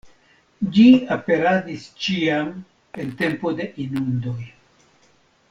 Ĝi aperadis ĉiam en tempo de inundoj.